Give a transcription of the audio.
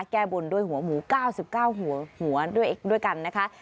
แก้บนด้วยหัวหมู๙๙หัวด้วยกันนะคะ